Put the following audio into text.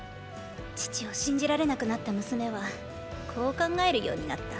父を信じられなくなった娘はこう考えるようになった。